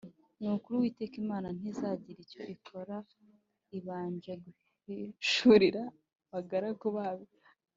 Ni ukuri Uwiteka Imana ntizagira icyo ikora itabanje guhishurira abagaragu bayo